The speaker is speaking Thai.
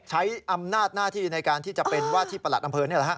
ใช้อำนาจหน้าที่ในการที่จะเป็นว่าที่ประหลัดอำเภอนี่แหละฮะ